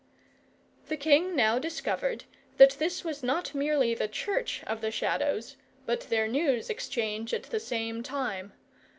The king now discovered that this was not merely the church of the Shadows, but their news exchange at the same time.